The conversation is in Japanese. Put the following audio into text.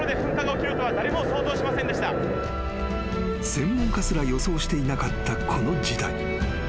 ［専門家すら予想していなかったこの事態］